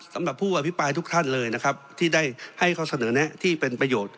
สำหรับผู้อภิปรายทุกท่านเลยนะครับที่ได้ให้ข้อเสนอแนะที่เป็นประโยชน์